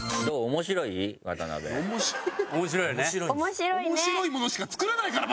面白いものしか作らないから！